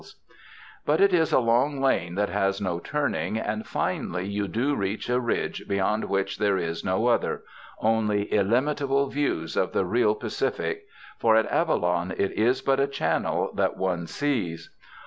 177 UNDER THE SKY IN CALIFORNIA But it is a long lane that has no turning, and finally you do reach a ridge beyond which there is no other — only illimitable views of the real Pacific, for at Avalon it is but a channel that one sees.